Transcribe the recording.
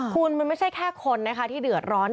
คุณมันไม่ใช่แค่คนนะคะคุณมันไม่อยากร้อนผิด